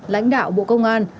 lãnh đạo bộ công an